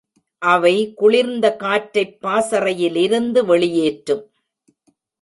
அவை குளிர்ந்த காற்றைப் பாசறையில் லிருந்து வெளியேற்றும்.